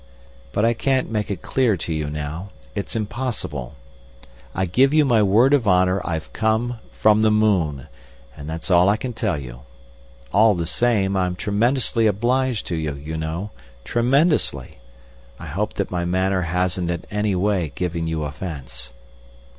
But I can't make it clear to you now—it's impossible. I give you my word of honour I've come from the moon, and that's all I can tell you.... All the same, I'm tremendously obliged to you, you know, tremendously. I hope that my manner hasn't in any way given you offence."